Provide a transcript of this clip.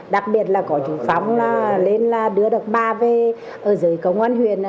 đặc biệt là có chú phong lên là đưa được ba về ở dưới công an huyện